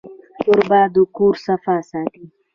کوربه د کور صفا ساتي.